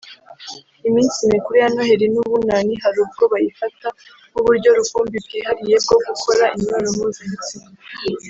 iminsi mikuru ya Noheri n’Ubunani hari ubwo bayifata nk’uburyo rukumbi bwihariye bwo gukora imibonano mpuzabitsina